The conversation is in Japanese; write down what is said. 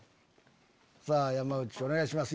さぁ山内お願いします